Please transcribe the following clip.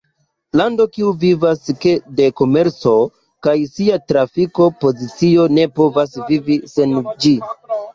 Lando kiu vivas de komerco kaj sia trafiko pozicio ne povas vivi sen ĝi.